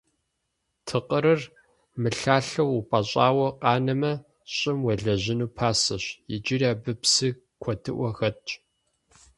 Тыкъырыр мылъалъэу упӀэщӀауэ къанэмэ, щӀым уелэжьыну пасэщ, иджыри абы псы куэдыӀуэ хэтщ.